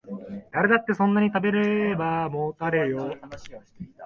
誰だってそんなに食べればもたれるよ